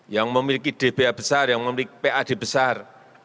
yang memiliki dpa besar yang memiliki pad besar